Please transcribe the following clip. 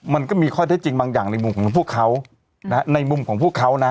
มันก็มีข้อเท็จจริงบางอย่างในมุมของพวกเขานะฮะในมุมของพวกเขานะ